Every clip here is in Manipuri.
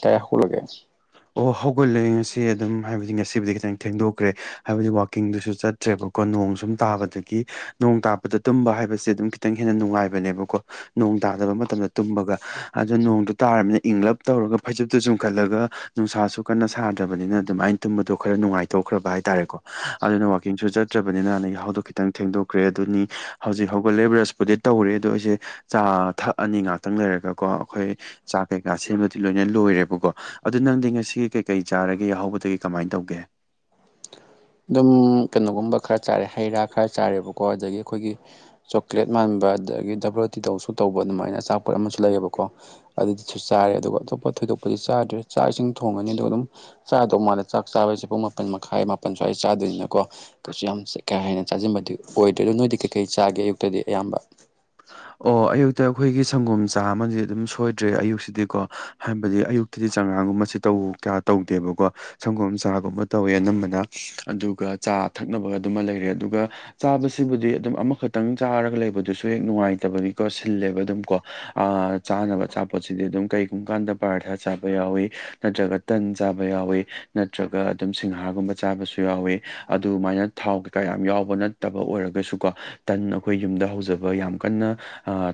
ꯀꯦ ꯍꯨꯔꯒꯦ ꯑꯣ ꯍꯧꯒꯠꯂꯦ ꯉꯁꯤ ꯑꯗꯨꯝ ꯍꯥꯏꯕꯗꯤ ꯉꯁꯤꯕꯨꯗꯤ ꯈꯤꯇꯪ ꯊꯦꯡꯗꯣꯛꯈ꯭ꯔꯦ ꯍꯥꯏꯕꯗꯤ ꯋꯥꯛꯀꯤꯡꯗꯨꯁꯨ ꯆꯠ ꯇ꯭ꯔꯦꯕꯀꯣ ꯅꯣꯡ ꯁꯨꯝ ꯇꯥꯕꯗꯒꯤ ꯅꯣꯡ ꯇꯥꯕꯗ ꯇꯨꯝꯕ ꯍꯥꯏꯕꯁꯦ ꯑꯗꯨꯝ ꯈꯤꯇꯪ ꯍꯦꯟꯅ ꯅꯨꯡꯉꯥꯏꯕꯅꯦꯕꯀꯣ ꯅꯣꯡ ꯇꯥꯗꯕ ꯃꯇꯝꯗ ꯇꯨꯝꯕꯒ ꯑꯗꯨ ꯅꯣꯡꯗꯨ ꯇꯥꯔꯝꯃꯤꯅ ꯏꯪꯂꯞ ꯇꯧꯔꯒ ꯐꯩꯖꯨꯞꯇꯨ ꯆꯨꯝꯈꯠꯂꯒ ꯅꯨꯡꯁꯥꯁꯨ ꯀꯟꯅ ꯁꯥꯗ꯭ꯔꯕꯅꯤꯅ ꯑꯗꯨꯃꯥꯏ ꯇꯨꯝꯕꯗꯣ ꯈꯔ ꯅꯨꯡꯉꯥꯏꯊꯣꯛꯈ꯭ꯔꯕ ꯍꯥꯏꯇꯥꯔꯦꯀꯣ ꯑꯗꯨꯅ ꯋꯥꯛꯀꯤꯡꯁꯨ ꯆꯠꯇ꯭ꯔꯕꯅꯤꯅ ꯑꯅ ꯌꯥꯍꯧꯗꯣ ꯈꯤꯇꯪ ꯊꯦꯡꯗꯣꯛꯈ꯭ꯔꯦ ꯑꯗꯨꯅꯤ ꯍꯧꯖꯤꯛ ꯍꯧꯒꯠꯂꯦ ꯕ꯭ꯔꯁꯄꯨꯗꯤ__ ꯇꯧꯔꯦ ꯑꯗꯣ ꯑꯩꯖꯦ ꯆꯥ ꯊꯛꯑꯅꯤ ꯉꯥꯛꯇꯪ ꯂꯩꯔꯒꯀꯣ ꯑꯈꯣꯏ ꯆꯥꯛ ꯀꯩꯀꯥ ꯁꯦꯝꯕꯗꯤ ꯂꯣꯏꯅ ꯂꯣꯏꯔꯦꯕꯀꯣ ꯑꯗꯨ ꯅꯪꯗꯤ ꯉꯁꯤ ꯀꯩꯀꯩ ꯆꯥꯔꯒꯦ ꯌꯥꯍꯧꯕꯗꯒꯤ ꯀꯃꯥꯏꯟ ꯇꯧꯒꯦ ꯑꯗꯨꯝ ꯀꯩꯅꯣꯒꯨꯝꯕ ꯈꯔ ꯆꯥꯔꯦ ꯍꯩ ꯔꯥ ꯈꯔ ꯆꯥꯔꯦꯕꯀꯣ ꯑꯗꯒꯤ ꯑꯩꯈꯣꯏꯒꯤ ꯆꯣꯀ꯭ꯂꯦꯠ ꯃꯥꯟꯕ ꯑꯗꯒꯤ ꯗꯕ꯭ꯂꯣ ꯇꯤ ꯗꯧꯁꯨ ꯇꯧꯕ ꯑꯗꯨꯃꯥꯏꯅ ꯑꯆꯥꯄꯣꯠ ꯑꯃꯁꯨ ꯂꯩꯌꯦꯕꯀꯣ ꯑꯗꯨꯗꯨꯁꯨ ꯆꯥꯔꯦ ꯑꯗꯨꯒ ꯑꯇꯣꯞꯄ ꯊꯣꯏꯗꯣꯛꯄꯗꯤ ꯆꯥꯗ꯭ꯔꯦ ꯆꯥꯛ ꯏꯁꯤꯡ ꯊꯣꯡꯉꯅꯤ ꯑꯗꯨꯒ ꯑꯗꯨꯝ ꯆꯥꯗꯧ ꯃꯥꯜꯂꯦ ꯆꯥꯛ ꯆꯥꯕꯁꯦ ꯄꯨꯡ ꯃꯥꯄꯟ ꯃꯈꯥꯏ ꯃꯥꯄꯟ ꯁ꯭ꯋꯥꯏ ꯆꯥꯗꯣꯏꯅꯤꯅꯀꯣ ꯀꯩꯁꯨ ꯌꯥꯝ ꯆꯥ ꯀꯥ ꯍꯦꯟꯅ ꯆꯥꯖꯤꯟꯕꯗꯤ ꯑꯣꯏꯗ꯭ꯔꯦ ꯑꯗꯨ ꯅꯣꯏꯗꯤ ꯀꯩꯀꯩ ꯆꯥꯒꯦ ꯑꯌꯨꯛꯇꯗꯤ ꯑꯌꯥꯝꯕ ꯑꯣ ꯑꯌꯨꯛꯇ ꯑꯩꯈꯣꯏꯒꯤ ꯁꯪꯒꯣꯝ ꯆꯥ ꯑꯃꯗꯤ ꯑꯗꯨꯝ ꯁꯣꯏꯗ꯭ꯔꯦ ꯑꯌꯨꯛꯁꯤꯗꯤꯀꯣ ꯍꯥꯏꯕꯗꯤ ꯑꯌꯨꯛ__ ꯑꯗꯨꯗꯤ ꯆꯉꯥꯡꯒꯨꯝꯕꯁꯤ ꯇꯧ ꯀꯌꯥ ꯇꯧꯗꯦꯕꯀꯣ ꯁꯪꯒꯣꯝ ꯆꯥꯒꯨꯝꯕ ꯇꯧꯋꯦ ꯑꯅꯝꯕꯅ ꯑꯗꯨꯒ ꯆꯥ ꯊꯛꯅꯕ ꯑꯗꯨꯃ ꯂꯩꯔꯦ ꯑꯗꯨꯒ ꯆꯥꯕꯁꯤꯕꯨꯗꯤ ꯑꯗꯨꯝ ꯑꯃꯈꯛꯇꯪ ꯆꯥꯔꯒ ꯂꯩꯕꯗꯨꯁꯨ__ ꯍꯦꯛ ꯅꯨꯡꯉꯥꯏꯇꯕꯅꯤꯀꯣ ꯁꯤꯜꯂꯦꯕ ꯑꯗꯨꯝ ꯀꯣ ꯑꯥ ꯆꯥꯅꯕ ꯑꯆꯥꯄꯣꯠꯁꯤꯗꯤ ꯑꯗꯨꯝ ꯀꯩꯒꯨꯝꯕ ꯀꯥꯟꯗ ꯄꯔꯊꯥ ꯆꯥꯕ ꯌꯥꯎꯏ ꯅꯠꯇ꯭ꯔꯒ ꯇꯟ ꯆꯥꯕ ꯌꯥꯎꯏꯤ ꯅꯠꯇ꯭ꯔꯒ ꯑꯗꯨꯝ ꯁꯤꯡꯍꯥꯒꯨꯝꯕ ꯆꯥꯕꯁꯨ ꯌꯥꯎꯋꯤ ꯑꯗꯨꯃꯥꯏꯅ ꯊꯥꯎ ꯀꯩꯀꯥ ꯌꯥꯝ ꯌꯥꯎꯕ ꯅꯠꯇꯕ ꯑꯣꯏꯔꯒꯁꯨ ꯀꯣ ꯇꯟ ꯑꯩꯈꯣꯏ ꯌꯨꯝꯗ ꯍꯧꯖ__ ꯕ ꯌꯥꯝ ꯀꯟꯅ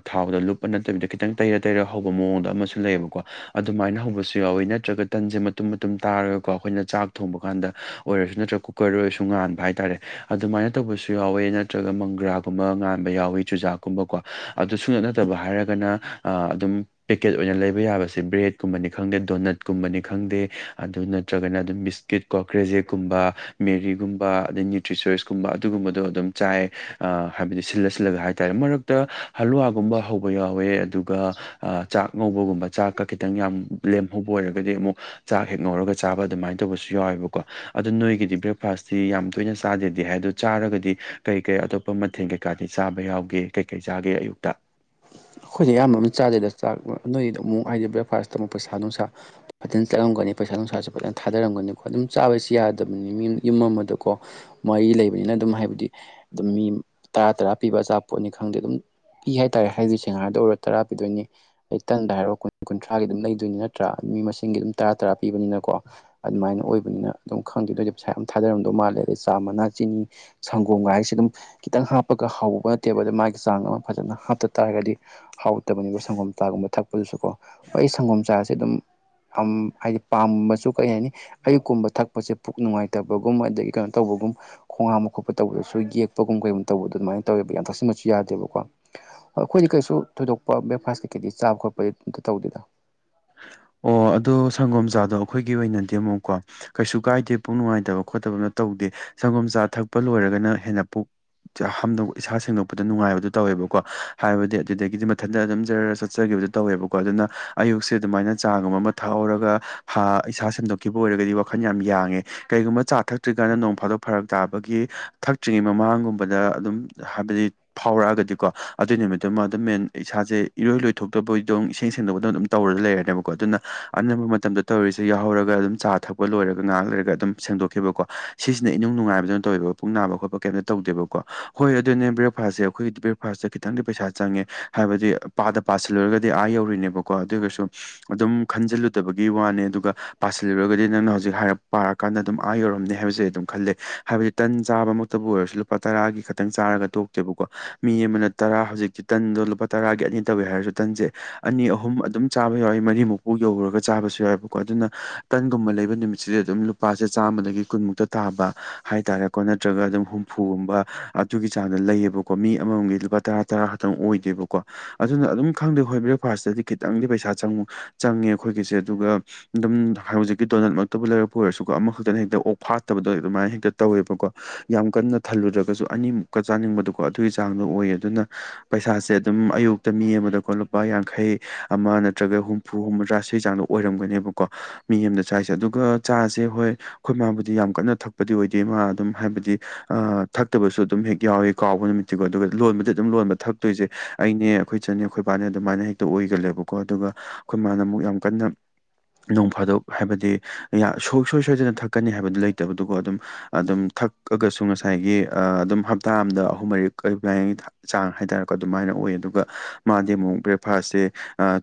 ꯊꯥꯎꯗ ꯂꯨꯞꯄ ꯅꯠꯇꯕꯤꯗ ꯈꯤꯇꯪ ꯇꯩꯔ ꯇꯩꯔ ꯍꯧꯕ ꯃꯑꯣꯡꯗ ꯑꯃꯁꯨ ꯂꯩꯌꯦꯕꯀꯣ ꯑꯗꯨꯃꯥꯏꯅ ꯍꯧꯕꯁꯨ ꯌꯥꯎꯋꯤ ꯅꯠꯇ꯭ꯔꯒ ꯇꯟꯁꯦ ꯃꯇꯨꯝ ꯃꯇꯨꯝ ꯇꯥꯔꯒꯀꯣ ꯑꯩꯈꯣꯏꯅ ꯆꯥꯛ ꯊꯣꯡꯕ ꯀꯥꯟꯗ ꯑꯣꯏꯔꯁꯨ ꯅꯠꯇ꯭ꯔ ꯀꯨꯛ__ ꯀꯣꯏꯔꯣꯏꯁꯨ ꯉꯥꯟꯕ ꯍꯥꯏꯇꯥꯔꯦ ꯑꯗꯨꯃꯥꯏꯅ ꯇꯧꯕꯁꯨ ꯌꯥꯎꯋꯦ ꯅꯠꯇ꯭ꯔꯒ ꯃꯪꯒ꯭ꯔꯥꯒꯨꯝꯕ ꯉꯥꯟꯕ ꯌꯥꯎꯋꯤ ꯆꯨꯖꯥꯛꯀꯨꯝꯕꯀꯣ ꯑꯗꯨ ꯁꯨꯡꯅꯠ ꯅꯠꯇꯕ ꯍꯥꯏꯔꯒꯅ ꯑꯥ ꯑꯗꯨꯝ ꯄꯦꯀꯦꯠ ꯑꯣꯏꯅ ꯂꯩꯕ ꯌꯥꯕꯁꯦ ꯕ꯭ꯔꯦꯗꯀꯨꯝꯕꯅꯤ ꯈꯪꯗꯦ ꯗꯣꯅꯠꯀꯨꯝꯕꯅꯤ ꯈꯪꯗꯦ ꯑꯗꯨ ꯅꯠꯇ꯭ꯔꯒꯅ ꯑꯗꯨꯝ ꯕꯤꯁ__ ꯀꯤꯠ ꯀꯣ ꯀ꯭ꯔꯦꯖꯦꯛꯀꯨꯝꯕ ꯃꯦꯔꯤꯒꯨꯝꯕ ꯑꯗꯩ ꯅ꯭ꯌꯨꯇ꯭ꯔꯤꯆꯣꯏꯁꯀꯨꯝꯕ ꯑꯗꯨꯒꯨꯝꯕꯗꯣ ꯑꯗꯨꯝ ꯆꯥꯏ ꯑꯥ ꯍꯥꯏꯕꯗꯤ ꯁꯤꯜꯂ ꯁꯤꯜꯂꯒ ꯍꯥꯏ__ ꯇꯥꯔꯦ ꯃꯔꯛꯇ ꯍꯜꯂꯨꯋꯥꯒꯨꯝꯕ ꯍꯧꯕ ꯌꯥꯎꯋꯦ ꯑꯗꯨꯒ ꯑꯥ ꯆꯥꯛ ꯉꯧꯕꯒꯨꯝꯕ ꯆꯥꯛꯀ ꯈꯤꯇꯪ ꯌꯥꯝ ꯂꯦꯝꯍꯧꯕ ꯑꯣꯏꯔꯒꯗꯤ ꯑꯃꯨꯛ ꯆꯥꯛ ꯍꯦꯛ ꯉꯧꯔꯒ ꯆꯥꯕ ꯑꯗꯨꯃꯥꯏꯅ ꯇꯧꯕꯁꯨ ꯌꯥꯎꯋꯦꯕꯀꯣ ꯑꯗꯨ ꯅꯣꯏꯒꯤꯗꯤ ꯕ꯭ꯔꯦꯛꯐꯥꯁꯇꯤ ꯌꯥꯝ ꯇꯣꯏꯅ ꯆꯥꯗꯦꯗꯤ ꯍꯥꯏ ꯑꯗꯨ ꯆꯥꯔꯒꯗꯤ ꯀꯩ ꯀꯩ ꯑꯇꯣꯞ__ ꯄ ꯃꯊꯦꯟ ꯀꯩꯀꯥꯗꯤ ꯆꯥꯕ ꯌꯥꯎꯒꯦ ꯀꯩ ꯀꯩ ꯆꯥꯒꯦ ꯑꯌꯨꯛꯇ ꯑꯩꯈꯣꯏꯗꯤ ꯑꯌꯥꯝꯕ ꯑꯃ ꯆꯥꯗꯦꯗ ꯆꯥꯛ ꯅꯣꯏꯗ ꯑꯃꯨꯛ ꯍꯥꯏꯗꯤ ꯕ꯭ꯔꯦꯛꯐꯥꯁ ꯇꯃꯨꯛ ꯄꯩꯁꯥ ꯅꯨꯡꯁꯥ ꯐꯖꯅ ꯆꯠꯂꯝꯒꯅꯤ ꯄꯩꯁꯥ ꯅꯨꯡꯁꯥꯁꯨ ꯐꯖꯅ ꯊꯥꯗꯔꯝꯒꯅꯤꯀꯣ ꯑꯗꯨꯝ ꯆꯥꯕꯁꯦ ꯌꯥꯗꯕꯅꯤ ꯃꯤꯌꯨꯝ ꯌꯨꯝ ꯑꯃꯗꯀꯣ ꯃꯌꯤ ꯂꯩꯕꯅꯤꯅ ꯑꯗꯨꯝ ꯍꯥꯏꯕꯗꯤ ꯑꯗꯨꯝ ꯃꯤ ꯇꯔꯥ ꯇꯔꯥ ꯄꯤꯕ ꯑꯆꯥꯕꯄꯣꯠꯅꯤ ꯈꯪꯗꯦ ꯑꯗꯨꯝ ꯄꯤ ꯍꯥꯏꯇꯥꯔꯦ ꯍꯥꯏꯔꯤꯁꯦ ꯁꯤꯡꯍꯥꯔꯗ ꯑꯣꯏꯔꯣ ꯇꯔꯥ ꯄꯤꯗꯣꯏꯅꯤ ꯑꯩ ꯇꯟꯗ ꯍꯥꯏꯔꯣ ꯀꯨꯟ ꯀꯨꯟꯊ꯭ꯔꯥꯒꯤ ꯑꯗꯨꯝ ꯂꯩꯗꯣꯏꯅꯤ ꯅꯠꯇ꯭ꯔꯥ ꯃꯤ ꯃꯁꯤꯡ ꯑꯗꯨꯝ ꯇꯔꯥ ꯇꯔꯥ ꯄꯤꯕꯅꯤꯅꯀꯣ ꯑꯗꯨꯃꯥꯏꯅ ꯑꯣꯏꯕꯅꯤꯅ ꯑꯗꯨꯝ ꯈꯪꯗꯦꯗ ꯑꯣꯏꯗꯤ ꯄꯩꯁꯥ ꯌꯥꯝ ꯊꯥꯗꯔꯝꯗꯧ ꯃꯥꯜꯂꯦ ꯑꯗꯩ ꯆꯥ ꯃꯅꯥ ꯆꯤꯅꯤ ꯁꯪꯒꯣꯝꯒ ꯍꯥꯏꯁꯦ ꯑꯗꯨꯝ ꯈꯤꯇꯪ ꯍꯥꯞꯄꯒ ꯍꯧꯕ ꯇꯦꯕꯜ ꯃꯥꯒꯤ ꯆꯥꯡ ꯑꯃ ꯐꯖꯅ ꯍꯥꯞꯇ ꯇꯥꯔꯒꯗꯤ ꯍꯥꯎꯇꯕꯅꯦꯕ ꯁꯪꯒꯣꯝ ꯆꯥꯒꯨꯝꯕ ꯊꯛꯄꯗꯨꯁꯨꯀꯣ ꯑꯩ ꯁꯪꯒꯣꯝ ꯆꯥꯁꯦ ꯑꯗꯨꯝ ꯑꯝ ꯍꯥꯏꯗꯤ ꯄꯥꯝꯕꯁꯨ ꯀꯩ ꯍꯥꯏꯅꯤ ꯑꯌꯨꯛꯀꯨꯝꯕ ꯊꯛꯄꯁꯦ ꯄꯨꯛ ꯅꯨꯡꯉꯥꯏꯇꯕꯒꯨꯝ ꯑꯗꯒꯤ ꯀꯩꯅꯣ ꯇꯧꯕꯒꯨꯝ ꯈꯣꯡ ꯍꯥꯝꯕ ꯈꯣꯠꯄ ꯇꯧꯕꯗꯁꯨ ꯌꯦꯛꯄꯒꯨꯝ ꯀꯩꯒꯨꯝ ꯇꯧꯕꯗꯣ ꯑꯗꯨꯃꯥꯏꯅ ꯇꯧꯋꯦꯕ ꯌꯥꯝ ꯊꯥꯁꯤꯟꯕꯁꯨ ꯌꯥꯗꯦꯕꯀꯣ ꯍꯣꯏ ꯑꯩꯈꯣꯏꯗꯤ ꯀꯩꯁꯨ ꯊꯣꯏꯗꯣꯛꯄ ꯕ꯭ꯔꯦꯛꯐꯥꯁ ꯀꯩꯀꯩꯗꯤ ꯆꯥꯕ ꯈꯣꯠꯄꯗꯤ ꯑꯝꯇ ꯇꯧꯗꯦꯗ ꯑꯣ ꯑꯗꯣ ꯁꯪꯒꯣꯝꯆꯥꯗꯣ ꯑꯩꯈꯣꯏꯒꯤ ꯑꯣꯏꯅꯗꯤ ꯑꯃꯨꯛꯀꯣ ꯀꯩꯁꯨ ꯀꯥꯏꯗꯦ ꯄꯨꯛ ꯅꯨꯡꯉꯥꯏꯇꯕ ꯈꯣꯠꯇꯕꯅ ꯇꯧꯗꯦ ꯁꯪꯒꯣꯝ ꯆꯥ ꯊꯛꯄ ꯂꯣꯏꯔꯒꯅ ꯍꯦꯟꯅ ꯄꯨꯛ ꯍꯥꯝꯗꯣꯛ ꯏꯁꯥ ꯁꯦꯡꯗꯣꯛꯄꯗ ꯅꯨꯡꯉꯥꯏꯕꯗꯨ ꯇꯧꯋꯦꯕꯀꯣ ꯍꯥꯏꯕꯗꯤ ꯑꯗꯨꯗꯒꯤꯗꯤ ꯃꯊꯟꯇ ꯑꯗꯨꯝ ꯖꯔ ꯆꯠꯆꯈꯤꯕꯗꯨ ꯇꯧꯋꯦꯕꯀꯣ ꯑꯗꯨꯅ ꯑꯌꯨꯛꯁꯦ ꯑꯗꯨꯃꯥꯏꯅ ꯆꯥꯒꯨꯝꯕ ꯑꯃ ꯊꯛꯍꯧꯔꯒ ꯍꯥ ꯏꯁꯥ ꯁꯦꯡꯗꯣꯛꯈꯤꯕ ꯑꯣꯏꯔꯒꯗꯤ ꯋꯥꯈꯜ ꯌꯥꯝ ꯌꯥꯡꯉꯦ ꯀꯩꯒꯨꯝꯕ ꯆꯥ ꯊꯛꯇ꯭ꯔꯤꯀꯥꯟꯗ ꯅꯣꯡ ꯐꯥꯗꯣꯛ ꯐꯔꯛ ꯇꯥꯕꯒꯤ ꯊꯛꯇ꯭ꯔꯤꯉꯩ ꯃꯃꯥꯡꯒꯨꯝꯕꯗ ꯑꯗꯨꯝ ꯍꯥꯏꯕꯗꯤ ꯐꯥꯎꯔꯛꯑꯒꯗꯤꯀꯣ ꯑꯗꯨꯏ ꯅꯨꯃꯤꯗꯨꯃ ꯑꯗꯨꯝ ꯃꯦꯟ ꯏꯁꯥꯁꯦ ꯏꯔꯣꯏ ꯂꯣꯏ ꯊꯣꯛꯣꯛꯇꯕꯣꯏꯗꯣ ꯏꯁꯦꯡ ꯁꯦꯡꯗꯕꯗꯣ ꯑꯗꯨꯝ ꯇꯧꯔ ꯂꯩꯔꯅꯤꯕ ꯀꯣ ꯑꯗꯨꯅ ꯑꯅꯝꯕ ꯃꯇꯝꯗ ꯇꯧꯔꯤꯁꯦ ꯌꯥꯎꯍꯧꯔꯒ ꯑꯗꯨꯝ ꯆꯥ ꯊꯛꯄ ꯂꯣꯏꯔꯒ ꯉꯍꯥꯛ ꯂꯩꯔꯒ ꯑꯗꯨꯝ ꯁꯦꯡꯗꯣꯛꯈꯤꯕꯀꯣ ꯁꯤꯁꯤꯅ ꯏꯅꯨꯡꯉꯥꯏꯕꯗꯨꯅ ꯇꯧꯋꯦꯕ ꯄꯨꯛ ꯅꯥꯕ ꯈꯣꯠꯄ ꯀꯩꯝꯇ ꯇꯧꯗꯦꯕꯀꯣ ꯍꯣꯏ ꯑꯗꯨꯅꯦ ꯕ꯭ꯔꯦꯛꯐꯥꯁꯁꯦ ꯑꯩꯈꯣꯏꯒꯤ ꯕ꯭ꯔꯦꯛ ꯐꯥꯔꯁꯇ ꯈꯤꯇꯪꯗꯤ ꯄꯩꯁꯥ ꯆꯪꯉꯦ ꯍꯥꯏꯕꯗꯤ ꯄꯥꯗ ꯄꯥꯁꯤꯜꯂꯨꯔꯒꯗꯤ ꯑꯥ ꯌꯧꯔꯤꯅꯦꯕꯀꯣ ꯑꯗꯨꯑꯣꯏꯁꯨ ꯑꯗꯨꯝ ꯈꯟꯖꯤꯜꯂꯨꯗꯕꯒꯤ ꯋꯥꯅꯦ ꯑꯗꯨꯒ ꯑꯗꯨꯞ ꯑꯗꯨꯝ ꯈꯟꯖꯤꯜꯂꯨꯗꯕꯒꯤ ꯋꯥꯅꯦ ꯄꯥꯁꯤꯜꯂꯨꯔꯒꯗꯤ ꯅꯪꯅ ꯍꯧꯖꯤꯛ ꯍꯥꯏꯔꯛꯄꯀꯥꯟꯗ ꯑꯗꯨꯝ ꯑꯥ ꯌꯧꯔꯝꯅꯤ ꯍꯥꯏꯕꯁꯦ ꯑꯗꯨꯝ ꯈꯜꯂꯦ ꯍꯥꯏꯕꯗꯤ ꯇꯟ ꯆꯥꯕꯃꯛꯇꯕꯨ ꯑꯣꯏꯔꯁꯨ ꯂꯨꯄꯥ ꯇꯔꯥꯒꯤ ꯈꯇꯪ ꯆꯥꯔꯒ ꯇꯣꯛꯇꯦꯕꯀꯣ ꯃꯤ ꯑꯃꯅ ꯇꯔꯥ ꯍꯧꯖꯤꯛꯇꯤ ꯇꯟꯗꯣ ꯂꯨꯄꯥ ꯇꯔꯥꯒꯤ ꯑꯅꯤ ꯇꯧꯋꯦ ꯍꯥꯏꯔꯁꯨ ꯇꯟꯁꯦ ꯑꯅꯤ ꯑꯍꯨꯝ ꯑꯗꯨꯝ ꯆꯥꯕ ꯌꯥꯎꯋꯦ ꯃꯔꯤꯃꯨꯛꯄꯨ ꯌꯧꯔꯒ ꯆꯥꯕꯁꯨ ꯌꯥꯎꯏꯕꯀꯣ ꯑꯗꯨꯅ ꯇꯟꯒꯨꯝꯕ ꯂꯩꯕ ꯅꯨꯃꯤꯠꯁꯤꯗꯤ ꯑꯗꯨꯝ ꯂꯨꯄꯥꯁꯦ ꯆꯥꯝꯃꯗꯒꯤ ꯀꯨꯟꯃꯨꯛꯇ ꯇꯥꯕ ꯍꯥꯏꯇꯥꯔꯦꯀꯣ ꯅꯠꯇ꯭ꯔꯒ ꯑꯗꯨꯝ ꯍꯨꯝꯐꯨꯒꯨꯝꯕ ꯑꯗꯨꯒꯤ ꯆꯥꯡꯗ ꯂꯩꯌꯦꯕ ꯀꯣ ꯃꯤ ꯑꯃꯃꯝꯒꯤ ꯂꯨꯄꯥ ꯇꯔꯥ ꯇꯔꯥ ꯈꯛꯇꯪ ꯑꯣꯏꯗꯦꯕꯀꯣ ꯑꯗꯨꯅ ꯑꯗꯨꯝ ꯈꯪꯗꯦ ꯍꯣꯏ ꯕ꯭ꯔꯦꯛꯐꯥꯁꯇꯗꯤ ꯈꯤꯇꯪꯗꯤ ꯄꯩꯁꯥ ꯆꯪ ꯆꯪꯉꯦ ꯑꯈꯣꯏꯒꯤꯁꯦ ꯑꯗꯨꯒ ꯑꯗꯨꯝ ꯍꯧꯖꯤꯛꯀꯤ ꯗꯣꯅꯠꯃꯛꯇꯕꯨ ꯂꯩꯔꯛꯄ ꯑꯣꯏꯔꯁꯨꯀꯣ ꯑꯃꯈꯛꯇꯅ ꯍꯦꯛꯇ ꯑꯣꯛ ꯐꯥꯠꯇꯕꯗꯣ ꯑꯗꯨꯃꯥꯏꯅ ꯍꯦꯛꯇ ꯇꯧꯋꯦꯕꯀꯣ ꯌꯥꯝ ꯀꯟꯅ ꯊꯜꯂꯨꯗ꯭ꯔꯒꯁꯨ ꯑꯅꯤꯃꯨꯛꯀ ꯆꯥꯅꯤꯡꯕꯗꯣꯀꯣ ꯑꯗꯨꯒꯤ ꯆꯥꯡꯗꯣ ꯑꯣꯏ ꯑꯗꯨꯅ ꯄꯩꯁꯥꯁꯦ ꯑꯗꯨꯝ ꯑꯌꯨꯛꯇ ꯃꯤ ꯑꯃꯗꯀꯣ ꯂꯨꯄꯥ ꯌꯥꯡꯈꯩ ꯑꯃ ꯅꯠꯇ꯭ꯔꯒ ꯍꯨꯝ ꯍꯨꯝꯐꯨ ꯍꯨꯝꯗꯔꯥ ꯁꯤ ꯆꯥꯡꯗ ꯑꯣꯏꯔꯝꯒꯅꯦꯕꯀꯣ ꯃꯤ ꯑꯃꯗ ꯆꯔꯤꯁꯦ ꯑꯗꯨꯒ ꯆꯥꯁꯦ ꯍꯣꯏ ꯈꯣꯏ ꯃꯥꯕꯨꯗꯤ ꯌꯥꯝ ꯀꯟꯅ ꯊꯛꯄꯗꯤ ꯑꯣꯏꯗꯦ ꯃꯥ ꯑꯗꯨꯝ ꯍꯥꯏꯕꯗꯤ ꯑꯥ ꯊꯛꯇꯕꯁꯨ ꯑꯗꯨꯝ ꯍꯦꯛ ꯌꯥꯎꯋꯤ ꯀꯥꯎꯕ ꯅꯨꯃꯤꯠ ꯁꯤꯀꯣ ꯑꯗꯨꯒ ꯂꯣꯟꯕꯗꯤ ꯑꯗꯨꯝ ꯂꯣꯟꯕ ꯊꯛꯇꯣꯏꯁꯦ ꯑꯩꯅꯦ ꯑꯈꯣꯏ ꯆꯟꯅꯦ ꯑꯈꯣꯏ ꯕꯥꯅꯦ ꯑꯗꯨꯃꯥꯏꯅ ꯍꯦꯛꯇ ꯑꯣꯏꯒꯜꯂꯦꯕꯀꯣ ꯑꯗꯨꯒ ꯈꯣꯏ ꯃꯥꯅ ꯑꯃꯨꯛ ꯌꯥꯝ ꯀꯟꯅ ꯅꯣꯡ ꯐꯥꯗꯣꯛ ꯍꯥꯏꯕꯗꯤ ꯌꯥ ꯁꯨꯡꯁꯣꯏ ꯁꯣꯏꯗꯅ ꯊꯛꯀꯅꯤ ꯍꯥꯏꯕꯗꯨ ꯂꯩꯇꯕꯗꯨꯒ ꯑꯗꯨꯝ ꯑꯗꯨꯝ ꯊꯛꯑꯒꯁꯨ ꯉꯁꯥꯏꯒꯤ ꯑꯥ ꯑꯗꯨꯝ ꯍꯞꯇꯥ ꯑꯝꯗ ꯑꯍꯨꯝ ꯃꯔꯤꯛ [unintelligible] ꯆꯥꯡ ꯍꯥꯏꯇꯥꯔꯦꯀꯣ ꯑꯗꯨꯃꯥꯏꯅ ꯑꯣꯏ ꯑꯗꯨꯒ ꯃꯥꯗꯤ ꯑꯃꯨꯛ ꯕ꯭ꯔꯦꯛꯐꯥꯁꯁꯦ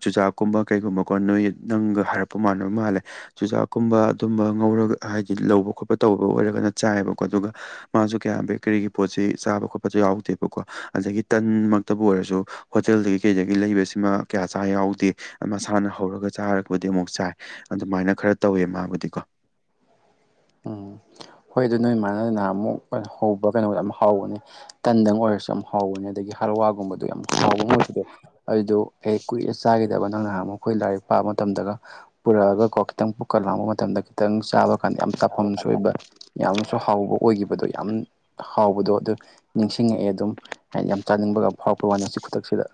ꯆꯨꯖꯥꯛꯀꯨꯝꯕ ꯀꯩꯒꯨꯝꯕꯀꯣ ꯅꯣꯏ ꯅꯪꯒ ꯍꯥꯏꯔꯛꯄ ꯃꯥꯟꯕ ꯃꯥꯜꯂꯦ ꯆꯨꯖꯥꯛꯀꯨꯝꯕ ꯑꯗꯨꯝꯕ ꯉꯧꯔꯒ ꯍꯥꯏꯗꯤ ꯂꯧꯕ ꯈꯣꯠꯄ ꯇꯧꯕ ꯑꯣꯏꯔꯒꯅ ꯆꯥꯏꯑꯦꯕꯀꯣ ꯑꯗꯨꯒ ꯃꯥꯁꯨ ꯀꯌꯥ ꯕꯦꯀꯔꯤꯒꯤ ꯄꯣꯠꯁꯤ ꯆꯥꯕ ꯈꯣꯠꯄꯁꯨ ꯌꯥꯎꯗꯦꯕꯀꯣ ꯑꯗꯒꯤ ꯇꯟꯃꯛꯇꯕꯨ ꯑꯣꯏꯔꯁꯨ ꯍꯣꯇꯦꯜꯗꯒꯤ ꯀꯩꯗꯒꯤ ꯂꯩꯕꯁꯤꯃꯥ ꯀꯌꯥ ꯆꯥ ꯌꯥꯎꯗꯦ ꯃꯁꯥꯅ ꯍꯧꯔꯒ ꯆꯥꯔꯕꯨꯗꯤ ꯑꯃꯨꯛ ꯆꯥꯏ ꯑꯗꯨꯃꯥꯏꯅ ꯈꯔ ꯇꯧꯋꯦ ꯃꯥꯕꯨꯗꯤꯀꯣ ꯎꯝ ꯍꯣꯏ ꯑꯗꯨ ꯅꯣꯏ ꯃꯥꯅ ꯅꯍꯥꯟꯃꯨꯛ ꯍꯧꯕ ꯀꯩꯅꯣꯗꯣ ꯌꯥꯝ ꯍꯥꯎꯕꯅꯤ ꯇꯟꯗꯪ ꯑꯣꯏꯔꯁꯨ ꯌꯥꯝ ꯍꯥꯎꯕꯅꯤ ꯑꯗꯒꯤ ꯍꯂꯨꯋꯥ ꯗꯨꯒꯨꯝꯕꯗꯣ ꯌꯥꯝ ꯍꯥꯎꯕ ꯑꯃ ꯑꯣꯏꯕꯗꯣ ꯑꯗꯨꯗꯣ ꯀꯨꯏꯔꯦ ꯆꯥꯒꯤꯗꯕ ꯅꯪ ꯅꯍꯥꯟꯃꯨꯛ ꯂꯥꯏꯔꯤꯛ ꯄꯥꯕ ꯃꯇꯝꯗꯒ ꯄꯨꯔꯛꯑꯒꯀꯣ ꯈꯤꯇꯪ ꯄꯨꯛꯀ ꯂꯥꯝꯕ ꯃꯇꯝꯗ ꯈꯤꯇꯪ ꯆꯥꯕ ꯀꯥꯟꯗ ꯌꯥꯝ ꯆꯐꯝꯁꯨ ꯑꯣꯏꯕ ꯌꯥꯝꯁꯨ ꯍꯥꯎꯕ ꯑꯣꯏꯒꯤꯕꯗꯣ ꯌꯥꯝ ꯍꯥꯎꯕꯗꯣ ꯑꯗꯨ ꯅꯤꯡꯁꯤꯡꯉꯛꯑꯦ ꯑꯗꯨꯝ ꯍꯥꯏꯗꯤ ꯌꯥꯝ ꯆꯥꯅꯤꯡꯕꯒ ꯐꯥꯎꯔꯛ ꯄꯋꯥꯅꯦ ꯍꯧꯖꯤꯛ ꯈꯨꯗꯛꯁꯤꯗ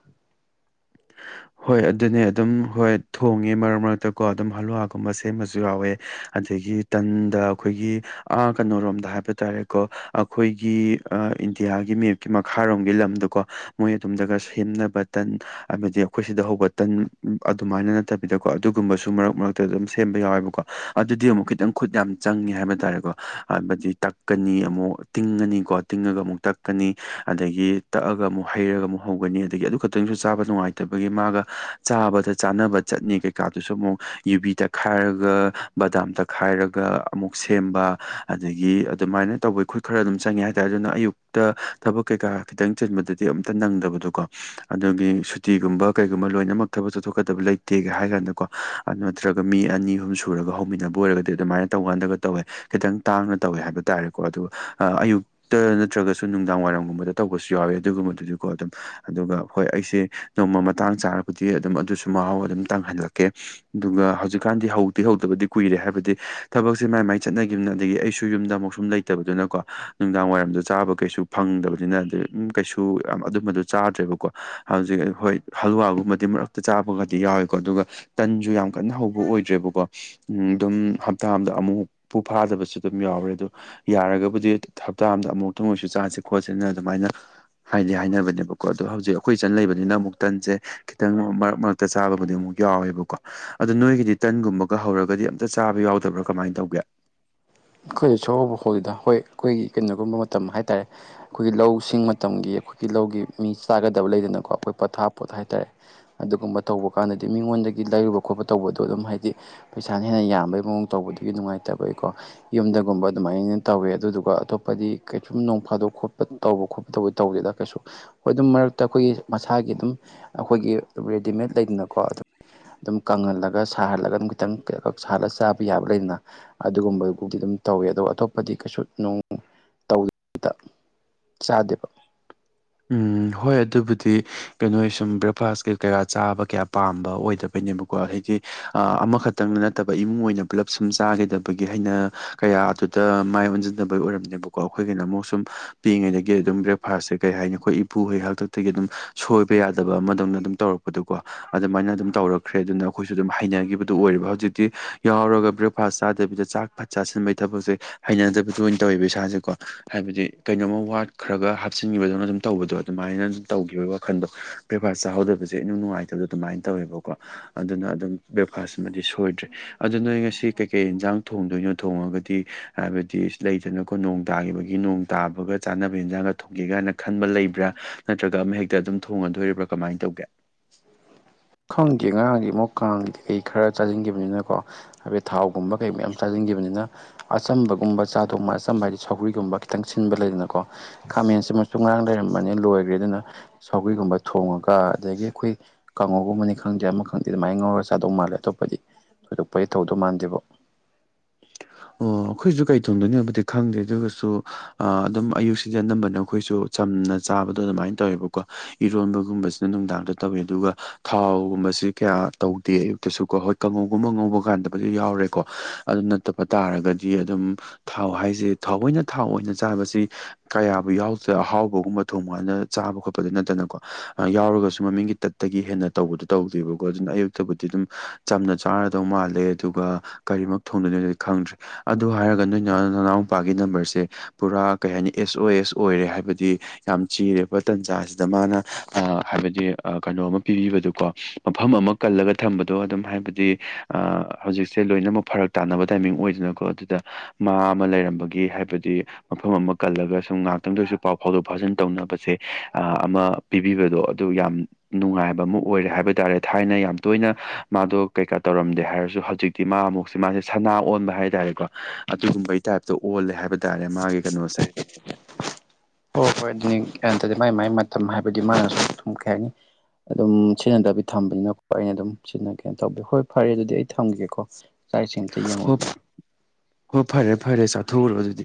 ꯍꯣꯏ ꯑꯗꯨꯅꯦ ꯑꯗꯨꯝ ꯍꯣꯏ ꯊꯣꯡꯉꯦ ꯃꯔꯛ ꯃꯔꯛꯇꯀꯣ ꯑꯗꯨꯝ ꯍꯂꯨꯋꯥꯒꯨꯝꯕ ꯁꯦꯝꯃꯁꯨ ꯌꯥꯎꯋꯦ ꯑꯗꯒꯤ ꯇꯟꯗ ꯑꯈꯣꯏꯒꯤ ꯑꯥ ꯀꯩꯅꯣꯔꯣꯝꯗ ꯍꯥꯏꯕ ꯇꯥꯔꯦꯀꯣ ꯑꯈꯣꯏꯒꯤ ꯑꯥ ꯏꯟꯗꯤꯌꯥꯒꯤ ꯃꯦꯞꯀꯤ ꯃꯈꯥꯔꯣꯝꯒꯤ ꯂꯝꯗꯣꯀꯣ ꯃꯣꯏ ꯑꯗꯨꯝꯗꯒ ꯁꯦꯝꯅꯕ ꯇꯟ ꯍꯥꯏꯕꯗꯤ ꯑꯈꯣꯏ ꯁꯤꯗ ꯍꯧꯕ ꯇꯟ ꯑꯗꯨꯃꯥꯏꯅ ꯅꯠꯇꯕꯤꯗꯀꯣ ꯑꯗꯨꯒꯨꯝꯕꯁꯨ ꯃꯔꯛ ꯃꯔꯛꯇ ꯑꯗꯨꯝ ꯁꯦꯝꯕ ꯌꯥꯎꯋꯦꯕꯀꯣ ꯑꯗꯨꯗꯤ ꯑꯃꯨꯛ ꯈꯤꯇꯪ ꯈꯨꯠ ꯌꯥꯝꯅ ꯆꯪꯉꯤ ꯍꯥꯏꯕ ꯇꯥꯔꯦꯀꯣ ꯍꯥꯏꯕꯗꯤ ꯇꯛꯀꯅꯤ ꯑꯃꯨꯛ ꯇꯤꯡꯉꯅꯤꯀꯣ ꯇꯤꯡꯉꯒ ꯑꯃꯨꯛ ꯇꯛꯀꯅꯤ ꯑꯗꯒꯤ ꯇꯛꯑꯒ ꯑꯃꯨꯛ ꯍꯩꯔꯒ ꯑꯃꯨꯛ ꯍꯧꯒꯅꯤ ꯑꯗꯒꯤ ꯑꯗꯨ ꯈꯛꯇꯪꯁꯨ ꯆꯥꯕ ꯅꯨꯡꯉꯥꯏꯇꯕꯒꯤ ꯃꯥꯒ ꯆꯥꯕꯗ ꯆꯥꯅꯕ ꯆꯠꯅꯤ ꯀꯩꯀꯥꯗꯨꯁꯨ ꯑꯃꯨꯛ ꯌꯨꯕꯤ ꯇꯛꯈꯥꯏꯔꯒ ꯕꯗꯥꯝ ꯇꯛꯈꯥꯏꯔꯒ ꯑꯃꯨꯛ ꯁꯦꯝꯕ ꯑꯗꯒꯤ ꯑꯗꯨꯃꯥꯏꯅ ꯇꯧꯕ ꯈꯨꯠ ꯈꯔ ꯑꯗꯨꯝ ꯆꯪꯉꯦ ꯍꯥꯏꯇꯥꯔꯦ ꯑꯗꯨꯅ ꯑꯌꯨꯛ ꯇ ꯊꯕꯛ ꯀꯩꯀꯥ ꯈꯤꯇꯪ ꯆꯤꯟꯕꯗꯗꯤ ꯑꯝꯇ ꯅꯪꯗꯕꯗꯣ ꯀꯣ [inaudible] ꯑꯗꯨꯒꯤ ꯁꯨꯇꯤꯒꯨꯝꯕ ꯀꯩꯒꯨꯝꯕ ꯂꯣꯏꯅꯃꯛ ꯊꯕꯛ ꯆꯠꯊꯣꯛꯀꯗꯕ ꯂꯩꯇꯦꯒ ꯍꯥꯏꯔ ꯀꯥꯟꯗꯀꯣ ꯑꯗꯨ ꯅꯠꯇ꯭ꯔꯒ ꯃꯤ ꯑꯅꯤ ꯑꯍꯨꯝ ꯁꯨꯔꯒ ꯍꯧꯃꯤꯟꯅꯕ ꯑꯣꯏꯔꯒꯗꯤ ꯑꯗꯨꯃꯥꯏꯅ ꯇꯧꯀꯥꯟꯗꯒ ꯇꯧꯋꯦ ꯈꯤꯇꯪ ꯇꯥꯡꯅ ꯇꯧꯋꯦ ꯍꯥꯏꯕ ꯇꯥꯔꯦꯀꯣ ꯑꯗꯨꯒ ꯑꯌꯨꯛ ꯇ ꯅꯠꯇ꯭ꯔꯒꯁꯨ ꯅꯨꯡꯗꯥꯡ ꯋꯥꯏꯔꯝꯒꯨꯝꯕꯗ ꯇꯧꯕꯁꯨ ꯌꯥꯎꯋꯦ ꯑꯗꯨꯒꯨꯝꯕꯗꯨꯗꯤꯀꯣ ꯑꯗꯨꯝ ꯑꯗꯨꯒ ꯍꯣꯏ ꯑꯩꯁꯦ ꯅꯣꯡꯃ ꯃꯇꯥꯡ ꯆꯥꯔꯕꯨꯗꯤ ꯑꯗꯨꯝ ꯑꯗꯨꯁꯨ ꯃꯍꯥꯎ ꯑꯗꯨꯝ ꯇꯪꯍꯜꯂꯛꯀꯦ ꯑꯗꯨꯒ ꯍꯧꯖꯤꯛꯀꯥꯟꯗꯤ ꯍꯧꯗꯤ ꯍꯧꯗꯕꯗꯤ ꯀꯨꯏꯔꯦ ꯍꯥꯏꯕꯗꯤ ꯊꯕꯛꯁꯦ ꯃꯥꯏ ꯃꯥꯏ ꯆꯠꯅꯒꯤꯝꯅꯤꯅ ꯑꯗꯒꯤ ꯑꯩꯁꯨ ꯌꯨꯝꯗ ꯑꯃꯨꯛ ꯁꯨꯝ ꯂꯩꯇꯕꯗꯨꯅꯀꯣ ꯅꯨꯡꯗꯥꯡ ꯋꯥꯏꯔꯝꯗꯨ ꯆꯥꯕ ꯀꯩꯁꯨ ꯐꯪꯗꯕꯅꯤ ꯅ ꯑꯗꯩ ꯎꯝ ꯀꯩꯁꯨ ꯌꯥꯝ ꯑꯗꯨꯝꯕꯗꯨ ꯆꯥꯗ꯭ꯔꯦꯕꯀꯣ ꯍꯧꯖꯤꯛ ꯑ ꯍꯣꯏ ꯍꯜꯂꯨꯋꯥꯒꯨꯝꯕꯗꯤ ꯃꯔꯛꯇ ꯆꯥꯕꯒꯗꯤ ꯌꯥꯎꯋꯦꯀꯣ ꯑꯗꯨꯒ ꯇꯟꯁꯨ ꯌꯥꯝ ꯀꯟꯅ ꯍꯧꯕ ꯑꯣꯏꯗ꯭ꯔꯦꯕꯀꯣ ꯎꯝ ꯑꯗꯨꯝ ꯍꯞꯇꯥ ꯑꯃꯗ ꯑꯃꯨꯛꯄꯨ ꯐꯥꯗꯕꯁꯨ ꯗꯨꯝ ꯌꯥꯎꯔꯦ ꯑꯗꯨ ꯌꯥꯔꯒꯕꯨꯗꯤ ꯍꯞꯇꯥ ꯑꯃꯗ ꯑꯃꯨꯛꯇꯪ ꯑꯣꯏꯁꯨ ꯆꯥꯁꯦ ꯈꯣꯠꯁꯦꯅ ꯑꯗꯨꯃꯥꯏꯅ ꯍꯥꯏꯗꯤ ꯍꯥꯏꯅꯕꯅꯦꯕꯀꯣ ꯑꯗꯣ ꯍꯧꯖꯤꯛ ꯑꯩꯈꯣꯏ ꯏꯆꯟ ꯂꯩꯕꯅꯤꯅ ꯑꯃꯨꯛ ꯇꯟꯁꯦ ꯈꯤꯇꯪ ꯃꯔꯛ ꯃꯔꯛꯇ ꯆꯥꯕꯕꯨꯗꯤ ꯑꯃꯨꯛ ꯌꯥꯎꯋꯦꯕꯀꯣ ꯑꯗꯣ ꯅꯣꯏꯒꯤꯗꯤ ꯇꯟꯒꯨꯝꯕꯒ ꯍꯧꯔꯒꯗꯤ ꯑꯝꯇ ꯆꯥꯕ ꯌꯥꯎꯗꯕ꯭ꯔꯥ ꯀꯃꯥꯏ ꯇꯧꯒꯦ ꯑꯈꯣꯏꯗ ꯁꯨꯛ ꯍꯧꯕꯨ ꯍꯧꯗꯦꯗ ꯍꯣꯏ ꯈꯣꯏꯒꯤ ꯀꯩꯅꯣꯒꯨꯝꯕ ꯃꯇꯝ ꯍꯥꯏꯇꯥꯔꯦ ꯈꯣꯏꯒꯤ ꯂꯧ ꯁꯤꯡ ꯃꯇꯝꯒꯤ ꯑꯩꯈꯣꯏꯒꯤ ꯂꯧꯒꯤ ꯃꯤ ꯆꯥꯒꯗꯕ ꯂꯩꯗꯅꯀꯣ ꯑꯩꯈꯣꯏ ꯄꯣꯊꯥ ꯄꯣꯠ ꯍꯥꯏꯇꯥꯔꯦ ꯑꯗꯨꯒꯨꯝꯕ ꯇꯧꯕ ꯀꯥꯟꯗꯗꯤ ꯃꯤꯉꯣꯟꯗꯒꯤ ꯂꯩꯔꯨꯕ ꯈꯣꯠꯄ ꯇꯧꯕꯗꯣ ꯑꯗꯨꯝ ꯍꯥꯏꯗꯤ ꯄꯩꯁꯥꯅ ꯍꯦꯟꯅ ꯌꯥꯝꯕꯩ ꯃꯑꯣꯡ ꯇꯧꯕꯗꯨꯒꯤ ꯅꯨꯡꯉꯥꯏꯇꯕꯩꯀꯣ ꯌꯨꯝꯗꯒꯨꯝꯕ ꯑꯗꯨꯃꯥꯏꯅ ꯇꯧꯋꯦ ꯑꯗꯨꯗꯨꯒ ꯑꯇꯣꯞꯄꯗꯤ ꯀꯩꯁꯨꯝ ꯅꯣꯡ ꯐꯥꯗꯣꯛ ꯈꯣꯠꯄ ꯇꯧꯕ ꯈꯣꯠ ꯇꯧꯕꯨ ꯇꯧꯒꯦꯗ ꯀꯩꯁꯨ ꯍꯣꯏ ꯑꯗꯨꯝ ꯃꯔꯛꯇ ꯈꯣꯏꯒꯤ ꯃꯁꯥꯒꯤ ꯑꯗꯨꯝ ꯑꯈꯣꯏꯒꯤ ꯔꯦꯗꯤꯃꯦꯗ ꯂꯩꯗꯅꯀꯣ ꯑꯗꯨ ꯑꯗꯨꯝ ꯀꯪꯍꯜꯂꯒ ꯁꯥꯍꯜꯂꯒ ꯑꯗꯨꯝ ꯈꯤꯇꯪ ꯁꯥꯍꯜꯂ ꯆꯥꯕ ꯌꯥꯕ ꯂꯩꯗꯅ ꯑꯗꯨꯒꯨꯝꯕ ꯑꯗꯨ ꯗꯨꯝ ꯇꯧꯋꯦ ꯑꯗꯨꯒ ꯑꯇꯣꯞꯄꯗꯤ ꯀꯩꯁꯨ ꯅꯨꯡ ꯇꯧꯗꯦꯗ ꯆꯥꯗꯦꯕ ꯎꯝ ꯍꯣꯏ ꯑꯗꯨꯕꯨꯗꯤ ꯀꯩꯅꯣ ꯁꯨꯝ ꯕ꯭ꯔꯦꯛꯐꯥꯁ ꯀꯩ ꯀꯩꯀꯥ ꯆꯥꯕ ꯀꯌꯥ ꯄꯥꯝꯕ ꯑꯣꯏꯗꯕꯩꯅꯦꯕ ꯀꯣ ꯑꯩꯗꯤ ꯑꯥ ꯑꯃꯈꯛꯇꯪ ꯅꯠꯇꯕ ꯏꯃꯨꯡ ꯑꯣꯏꯅ ꯄꯨꯂꯞ ꯁꯨꯝ ꯆꯥꯒꯤꯗꯕꯒꯤ ꯍꯩꯅ ꯀꯌꯥ ꯑꯗꯨ ꯇ ꯃꯥꯏ ꯑꯣꯟꯁꯤꯟꯗꯕꯒꯤ ꯑꯣꯏꯔꯝꯅꯦꯕꯀꯣ ꯑꯈꯣꯏꯒꯤꯅ ꯑꯃꯨꯛ ꯁꯨꯝ ꯄꯤꯛꯏꯉꯩꯗꯒꯤ ꯑꯗꯨꯝ ꯕ꯭ꯔꯦꯛꯐꯥꯁꯁꯦ ꯀꯩ ꯍꯥꯏꯅꯤ ꯑꯩꯈꯣꯏ ꯏꯄꯨꯒꯤ ꯍꯥꯛꯇꯛꯇꯒꯤ ꯑꯗꯨꯝ ꯁꯣꯏꯕ ꯌꯥꯗꯕ ꯑꯃꯗꯧꯅ ꯑꯗꯨꯝ ꯇꯧꯔꯛꯄꯗꯨꯀꯣ ꯑꯗꯨꯃꯥꯏꯅ ꯑꯗꯨꯝ ꯇꯧꯔꯛꯈ꯭ꯔꯦ ꯑꯗꯨꯅ ꯑꯗꯨꯃꯥꯏꯅ ꯗꯨꯝꯇꯧꯔꯈꯔꯦ ꯑꯗꯨꯅ ꯑꯩꯈꯣꯏꯁꯨ ꯑꯗꯨꯝ ꯍꯩꯅꯒꯤꯕꯗꯨ ꯑꯣꯏꯌꯦꯕ ꯍꯧꯖꯤꯛꯇꯤ ꯌꯥꯎꯔꯒ ꯕ꯭ꯔꯦꯛꯐꯥꯁ ꯆꯥꯗꯕꯤꯗ ꯆꯥꯛ ꯄ ꯆꯥꯁꯤꯟꯕꯩ ꯊꯕꯛꯁꯦ ꯍꯩꯅꯗꯕꯤꯗꯨ ꯑꯣꯏꯟ ꯇꯧꯋꯦꯕ ꯏꯁꯥꯁꯦꯀꯣ ꯍꯥꯏꯕꯗꯤ ꯀꯩꯅꯣꯝꯃ ꯋꯥꯠꯈ꯭ꯔꯒ ꯍꯥꯞꯆꯤꯟ [unintelligible] ꯇꯧꯕꯗꯣ ꯑꯗꯨꯃꯥꯏꯅ ꯑꯗꯨꯝ ꯇꯧꯈꯤꯕ ꯋꯥꯈꯜꯗꯣ ꯕ꯭ꯔꯦꯛꯐꯥꯁ ꯆꯍꯧꯗꯕꯁꯦ ꯏꯅꯨꯡ ꯅꯨꯡꯉꯥꯏ ꯗꯨ ꯑꯗꯨꯃꯥꯏꯟ ꯇꯧꯋꯦꯕꯀꯣ ꯑꯗꯨꯅ ꯑꯗꯨꯝ ꯕ꯭ꯔꯦꯛꯐꯥꯁꯤꯃꯗꯤ ꯁꯣꯏꯗ꯭ꯔꯦ ꯑꯗꯨ ꯅꯣꯏ ꯉꯁꯤ ꯀꯩꯀꯩ ꯏꯟꯁꯥꯡ ꯊꯣꯡꯗꯣꯏꯅꯣ ꯊꯣꯡꯉꯒꯗꯤ ꯍꯥꯏꯕꯗꯤ ꯁꯤ ꯂꯩꯗꯅꯀꯣ ꯅꯣꯡ ꯇꯥꯒꯤꯕꯒꯤ ꯅꯣꯡ ꯇꯥꯕꯒ ꯆꯥꯅꯕ ꯏꯟꯖꯥꯡꯒ ꯊꯣꯡꯒꯦ ꯀꯥꯏꯅ ꯈꯟꯕ ꯂꯩꯕ꯭ꯔꯥ ꯅꯠꯇ꯭ꯔꯒ ꯑꯃ ꯍꯦꯛꯇ ꯑꯗꯨꯝ ꯊꯣꯡꯉꯗꯣꯔꯤꯕ꯭ꯔꯥ ꯀꯃꯥꯏꯟ ꯇꯧꯒꯦ ꯈꯪꯗꯦ ꯉꯔꯥꯡꯗꯤ ꯑꯃꯨꯛ ꯀꯥꯡꯒꯤ ꯀꯩ ꯀꯩ ꯈꯔ ꯆꯥꯁꯤꯟꯒꯤꯕꯅꯤꯅꯀꯣ ꯍꯥꯏꯕꯗꯤ ꯊꯥꯎꯒꯨꯝꯕ ꯀꯩ ꯃꯌꯥꯝ ꯆꯥꯖꯤꯟꯒꯤꯕꯅꯤꯅ ꯑꯆꯝꯕꯒꯨꯝꯕ ꯆꯥ ꯊꯣꯡꯕ ꯑꯆꯝꯕ ꯍꯥꯏꯗꯤ ꯁꯧꯒ꯭ꯔꯤꯒꯨꯝꯕ ꯈꯤꯇꯪ ꯁꯤꯟꯕ ꯂꯩꯗꯅꯀꯣ ꯈꯥꯃꯦꯟ ꯑꯁꯤꯟꯕꯁꯨ ꯉꯔꯥꯡ ꯂꯩꯔꯝꯃꯦ [unintelligible] ꯂꯣꯏꯒ꯭ꯔꯦ ꯑꯗꯨꯅ ꯁꯧꯒ꯭ꯔꯤꯒꯨꯝꯕ ꯊꯣꯡꯉꯒ ꯑꯗꯒꯤ ꯑꯩꯈꯣꯏ ꯀꯥꯡꯉꯧ ꯑꯗꯨꯝꯕꯅꯤ ꯈꯪꯗꯦ ꯑꯃ ꯈꯪꯗꯦ ꯑꯗꯨꯃꯥꯏꯅ ꯉꯧꯔꯒ ꯆꯥꯗꯧ ꯃꯥꯜꯂꯦ ꯑꯇꯣꯞꯄꯗꯤ ꯊꯣꯏꯗꯣꯛꯄꯗꯤ ꯇꯧꯗꯧ ꯃꯥꯟꯗꯦꯕꯣ [inaudible] ꯑꯣ ꯑꯩꯈꯣꯏꯁꯨ ꯀꯩ ꯊꯣꯡꯗꯣꯏꯅꯣꯕꯨꯗꯤ ꯈꯪꯗꯦ ꯑꯗꯨ ꯑꯣꯢꯁꯨ ꯑꯥ ꯑꯗꯨꯝ ꯑꯌꯨꯛ ꯁꯤꯗꯤ ꯑꯅꯝꯕꯅ ꯑꯩꯈꯣꯏꯁꯨ ꯆꯝꯅ ꯆꯥꯕꯗꯣ ꯑꯗꯨꯃꯥꯏꯟ ꯇꯧꯋꯦꯕꯀꯣ ꯏꯔꯣꯟꯕꯒꯨꯝꯕꯁꯤꯅ ꯅꯨꯡꯗꯥꯡꯗ ꯇꯧꯏ ꯑꯗꯨꯒ ꯊꯥꯎꯒꯨꯝꯕꯁꯤ ꯀꯌꯥ ꯇꯧꯗꯦ ꯑꯌꯨꯛꯇꯁꯨ ꯀꯣ ꯍꯣꯢ ꯀꯡꯉꯧꯒꯨꯝꯕ ꯉꯧꯕ ꯀꯥꯟꯗꯕꯨꯗꯤ ꯌꯥꯎꯔꯦꯀꯣ ꯑꯗꯨ ꯅꯠ ꯐꯠꯇꯕ ꯇꯥꯔꯒꯗꯤ ꯑꯗꯨꯝ ꯊꯥꯎ ꯍꯥꯏꯁꯦ ꯊꯥꯎꯅ ꯊꯥꯎ ꯑꯣꯏꯅ ꯆꯥꯕꯁꯤ ꯀꯌꯥꯕꯨ ꯌꯥꯎꯗꯦ ꯑꯍꯥꯎꯕꯒꯨꯝꯕ ꯊꯣꯡꯕ ꯀꯥꯟꯗ ꯆꯥꯕ ꯈꯣꯠꯄꯗ ꯅꯠꯇꯅꯀꯣ ꯌꯥꯎꯔꯒꯁꯨ ꯃꯃꯤꯡꯒꯤ ꯇꯠ ꯇꯒꯤ ꯍꯦꯟꯅ ꯇꯧꯕꯗꯣ ꯇꯧꯗꯦꯕꯀꯣ ꯑꯗꯨꯅ ꯑꯌꯨꯛꯇꯕꯨꯗꯤ ꯑꯗꯨꯝ ꯆꯝꯅ ꯆꯥꯔꯗꯧ ꯃꯥꯜꯂꯦ ꯑꯗꯨꯗꯨꯒ ꯀꯔꯤꯃꯛ ꯊꯣꯡꯗꯣꯏꯅꯣꯗꯤ ꯈꯪꯗ꯭ꯔꯦ ꯑꯗꯨ ꯍꯥꯏꯔꯒ ꯅꯣꯏꯅ ꯅꯅꯥꯎꯄꯥꯒꯤ ꯅꯝꯕꯔꯁꯦ ꯄꯨꯔꯥ ꯀꯩ ꯍꯥꯏꯅꯤ ꯑꯦꯁ ꯑꯣ ꯑꯦꯁ ꯑꯣꯏꯔꯦ ꯍꯥꯏꯕꯗꯤ ꯌꯥꯝ ꯆꯤꯔꯦꯕ ꯇꯟꯖꯥꯁꯤꯗ ꯃꯥꯅ ꯑ ꯍꯥꯏꯕꯗꯤ ꯀꯩꯅꯣ ꯑꯃ ꯄꯤꯕꯤꯕꯗꯨꯀꯣ ꯃꯐꯝ ꯑꯃ ꯀꯜꯂꯒ ꯊꯝꯕꯗꯣ ꯑꯗꯨꯝ ꯍꯥꯏꯕꯗꯤ ꯑꯥ ꯍꯧꯖꯤꯛꯁꯦ ꯂꯣꯏꯅꯃꯛ ꯐꯔꯛ ꯇꯥꯅꯕ ꯇꯥꯏꯃꯤꯡ ꯑꯣꯏꯗꯅꯀꯣ ꯑꯗꯨꯗ ꯃꯥ ꯑꯃ ꯂꯩꯔꯝꯕꯒꯤ ꯍꯥꯏꯕꯗꯤ ꯃꯐꯝ ꯑꯃ ꯀꯜꯂꯒ ꯁꯨꯝ ꯉꯥꯏꯍꯥꯛꯇꯪꯗ ꯑꯣꯏꯁꯨ ꯄꯥꯎ ꯐꯥꯎꯗꯣꯛ ꯐꯥꯎꯖꯤꯟ ꯇꯧꯅꯕꯁꯦ ꯑꯥ ꯑꯃ ꯄꯤꯕꯤꯕꯗꯣ ꯑꯗꯨ ꯌꯥꯝ ꯅꯨꯡꯉꯥꯏꯕ ꯑꯃ ꯑꯣꯏꯔꯦ ꯍꯥꯏꯕ ꯇꯥꯔꯦ ꯊꯥꯏꯅ ꯌꯥꯝ ꯇꯣꯏꯅ ꯃꯥꯗꯣ ꯀꯩꯀꯥ ꯇꯧꯔꯝꯗꯦ ꯍꯥꯏꯔꯁꯨ ꯍꯧꯖꯤꯛ ꯇꯤ ꯃꯥ ꯑꯃꯨꯛ ꯃꯥꯖꯦ ꯁꯅꯥ ꯑꯣꯟꯕ ꯍꯥꯏ ꯇꯥꯔꯦꯀꯣ ꯑꯗꯨꯒꯨꯝꯕꯒꯤ ꯇꯥꯏꯞꯇ ꯑꯣꯜꯂꯦ ꯍꯥꯏꯕ ꯇꯥꯔꯦ ꯃꯥꯒꯤ ꯀꯩꯅꯣꯁꯦ ꯍꯣꯏ ꯍꯣꯏ ꯑꯗꯨꯅꯤ ꯒ꯭ꯌꯥꯟ ꯇꯗꯤ ꯃꯥꯏ ꯃꯥꯏ ꯃꯇꯝ ꯍꯥꯏꯕꯗꯤ ꯃꯥꯅꯁꯨ ꯁꯨꯝ ꯀꯩ ꯍꯥꯏꯅꯤ ꯑꯗꯨꯝ ꯁꯤꯖꯤꯟꯅꯗꯕꯤ ꯊꯝꯕꯅꯤꯅꯀꯣ ꯑꯩꯅ ꯑꯗꯨꯝ ꯁꯤꯖꯤꯟꯅ ꯀꯩꯅꯣ ꯇꯧꯕꯤ ꯍꯣꯏ ꯐꯔꯦ ꯑꯗꯨꯗꯤ ꯑꯩ ꯊꯝꯒꯦꯀꯣ ꯆꯥꯛ ꯏꯁꯤꯡ ꯑꯝꯇ ꯌꯦꯡꯉꯨꯒꯦ ꯍꯣꯞ ꯍꯣꯏ ꯐꯔꯦ ꯐꯔꯦ ꯆꯥꯊꯣꯛꯎꯔꯣ ꯑꯗꯨꯗꯤ